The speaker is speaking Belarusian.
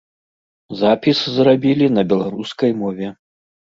Запіс зрабілі на беларускай мове.